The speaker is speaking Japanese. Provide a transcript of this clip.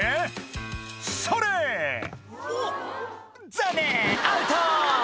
残念アウト！